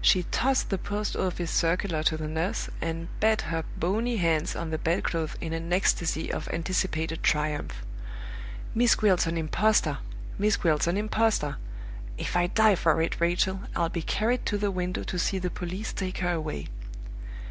She tossed the Post office circular to the nurse, and beat her bony hands on the bedclothes in an ecstasy of anticipated triumph. "Miss Gwilt's an impostor! Miss Gwilt's an impostor! If I die for it, Rachel, I'll be carried to the window to see the police take her away!"